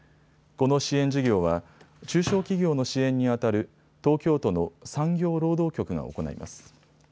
この支援事業は中小企業の支援にあたる東京都の産業労働局が行います。